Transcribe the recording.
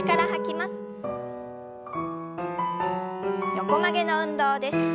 横曲げの運動です。